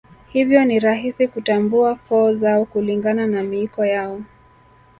Hivyo ni rahisi kutambua koo zao kulingana na miiko yao